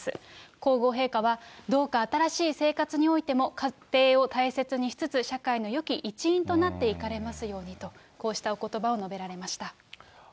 皇后陛下は、どうか新しい生活においても家庭を大切にしつつ、社会のよき一員となっていかれますようにと、こうしたおことばを述べられました。